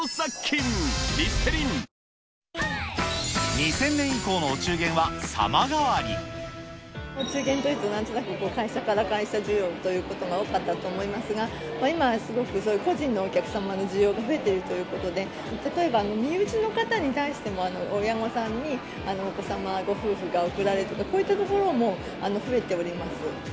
２０００年以降のお中元は様お中元というと、なんとなく会社から会社への需要が多かったと思いますが、今はすごくそういう個人のお客様の需要が増えているということで、例えば、身内の方に対しても親御さんにお子様、ご夫婦が贈られると、こういったところも増えております。